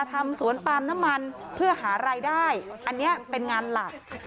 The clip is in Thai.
ทำสวนปาล์มน้ำมันเพื่อหารายได้อันนี้เป็นงานหลัก